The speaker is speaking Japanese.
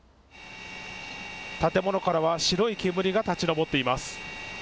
建物からは白い煙が立ち上っています。